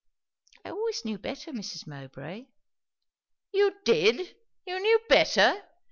"I always knew better, Mrs. Mowbray." "You did! You knew better!